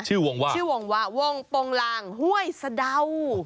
ชื่อวงว่าวงปรงลังห้วยสะดัว